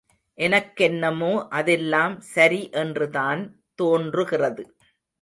எனக்கென்னமோ அதெல்லாம் சரி என்றுதான் தோன்றுகிறது.